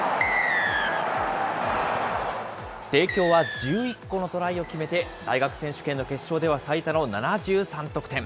帝京は１１個のトライを決めて、大学選手権の決勝では最多の７３得点。